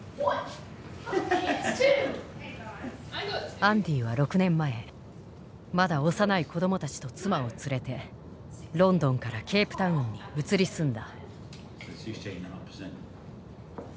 アンディは６年前まだ幼い子どもたちと妻を連れてロンドンからケープタウンに移り住んだ。